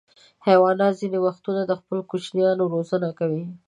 حیوانات ځینې وختونه د خپلو کوچنیانو روزنه کوي.